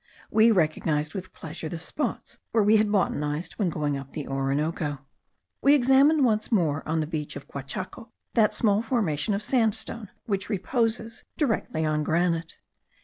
We recognized with pleasure the spots where we had botanized when going up the Orinoco. We examined once more on the beach of Guachaco that small formation of sandstone, which reposes directly on granite.